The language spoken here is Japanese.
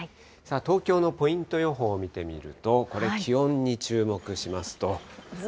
東京のポイント予報見てみると、これ、気温に注目しますと。